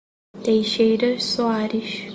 Teixeira Soares